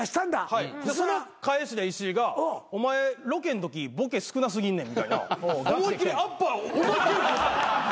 はいその返しで石井がお前ロケのときボケ少な過ぎんねんみたいな思いっ切りアッパーを。